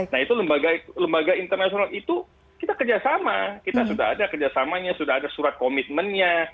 nah itu lembaga internasional itu kita kerjasama kita sudah ada kerjasamanya sudah ada surat komitmennya